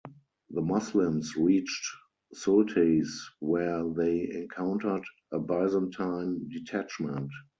The Muslims reached Sulteis where they encountered a Byzantine detachment.